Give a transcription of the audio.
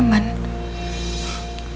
oh ini ada